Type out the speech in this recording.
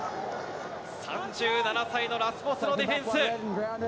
３７歳のラスボスのディフェンス。